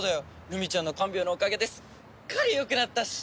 ルミちゃんの看病のおかげですっかりよくなったし！